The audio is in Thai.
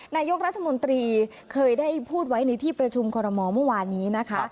นายกรัฐมนตรีเคยได้พูดไว้ในที่ประชุมคอรมอลเมื่อวานนี้นะคะ